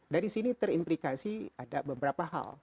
dari sini terimplikasi ada beberapa hal